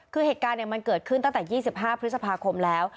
คือเหตุการณ์มันเกิดขึ้นตั้งแต่๒๕พฤษภาคมแล้ว